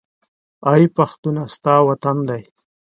اې پښتونه! ستا وطن دى